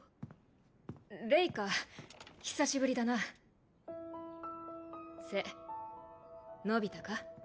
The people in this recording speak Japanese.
レイか久しぶりだな背伸びたか？